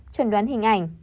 chuẩn đoán hình ảnh